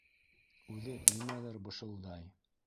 Үҙе нимәлер бышылдай.